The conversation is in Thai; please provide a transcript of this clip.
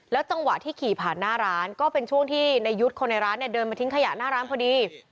จังหวะที่ขี่ผ่านหน้าร้านก็เป็นช่วงที่ในยุทธ์คนในร้านเนี่ยเดินมาทิ้งขยะหน้าร้านพอดี